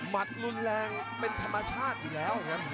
มัดรุนแรงเป็นธรรมชาติอยู่แล้ว